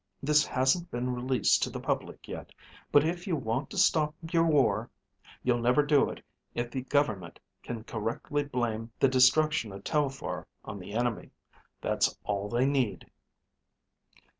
This hasn't been released to the public yet, but if you want to stop your war, you'll never do it if the government can correctly blame the destruction of Telphar on the enemy. That's all they need."